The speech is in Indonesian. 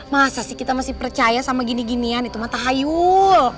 masa sih kita masih percaya sama gini ginian itu mah tak hayul